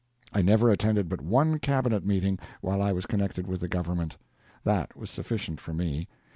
I never attended but one Cabinet meeting while I was connected with the government. That was sufficient for me.